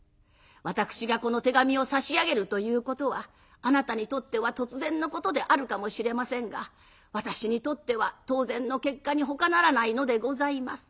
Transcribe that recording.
私がこの手紙を差し上げるということはあなたにとっては突然のことであるかもしれませんが私にとっては当然の結果にほかならないのでございます。